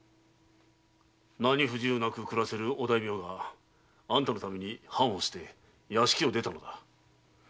何不自由なく暮らせるお大名があんたのために藩を捨て屋敷を出たのだ。